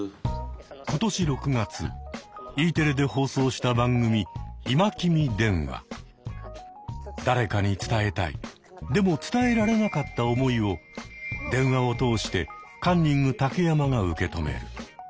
今年６月Ｅテレで放送した番組誰かに伝えたいでも伝えられなかった思いを電話を通してカンニング竹山が受け止める。